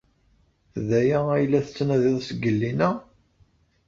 D aya ay la tettnadiḍ seg llinna?